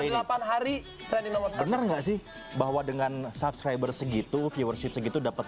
ini delapan hari bener nggak sih bahwa dengan subscriber segitu viewership segitu dapat